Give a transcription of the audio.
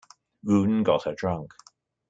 Rhun got her drunk.